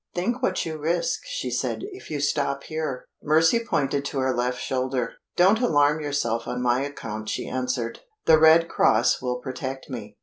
"Think what you risk," she said "if you stop here." Mercy pointed to her left shoulder. "Don't alarm yourself on my account," she answered; "the red cross will protect me."